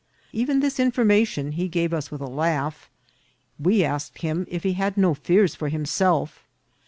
Even this information he gave us with a laugh. We asked him if he had no fears for himself.